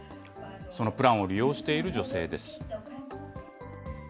そのプランを利用している女性です。